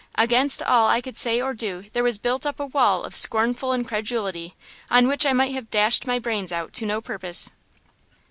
Against all I could say or do there was built up a wall of scornful incredulity, on which I might have dashed my brains out to no purpose."